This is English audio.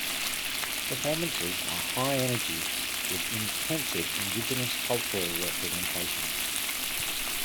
Performances are high-energy, with intensive indigenous cultural representation.